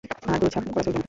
আর দৌড়ঝাঁপ করা চলবে না।